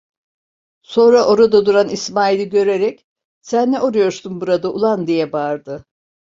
Sonra orada duran İsmail'i görerek: "Sen ne arıyorsun burada ulan!" diye bağırdı.